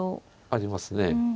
ありますね。